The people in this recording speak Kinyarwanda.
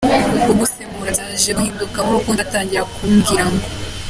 ugusemura byaje guhindukamo urukundo, atangira kumbwira ngo